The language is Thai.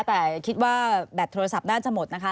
แต่คิดว่าแบตโทรศัพท์น่าจะหมดนะคะ